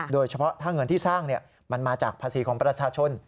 โดยเฉพาะถ้าเงินที่สร้างมันมาจากภาษีของประชาชน